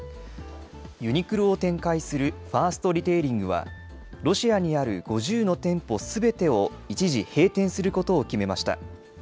ユニクロを展開する、ファーストリテイリングはロシアにある５０の店舗すべてを一時閉店することを決めました。